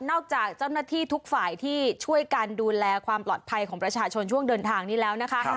จากเจ้าหน้าที่ทุกฝ่ายที่ช่วยกันดูแลความปลอดภัยของประชาชนช่วงเดินทางนี้แล้วนะคะ